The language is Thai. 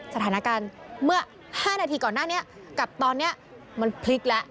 สถานการณ์เมื่อ๕นาทีก่อนหน้านี้กับตอนนี้มันพลิกแล้ว